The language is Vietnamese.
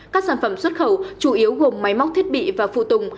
các sản phẩm xuất khẩu chủ yếu gồm máy móc thiết bị và phụ tùng